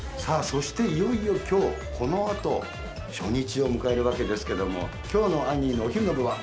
そしていよいよ今日この後初日を迎えるわけですけども今日の『アニー』のお昼の部は？